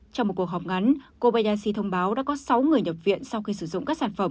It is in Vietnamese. trong một cuộc họp ngắn kobayashi thông báo đã có sáu người nhập viện sau khi sử dụng các sản phẩm